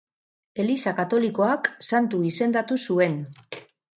Eliza katolikoak Santu izendatu zuen.